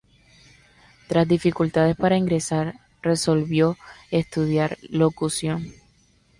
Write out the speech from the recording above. Tras dificultades para ingresar, resolvió estudiar locución.